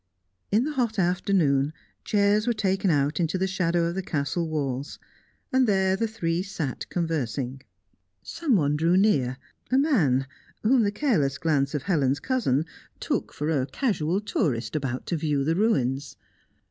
In the hot afternoon, chairs were taken out into the shadow of the Castle walls, and there the three sat conversing. Someone drew near, a man, whom the careless glance of Helen's cousin took for a casual tourist about to view the ruins.